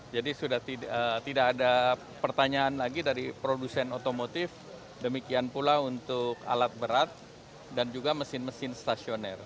jadi sudah tidak ada pertanyaan lagi dari produsen otomotif demikian pula untuk alat berat dan juga mesin mesin stasioner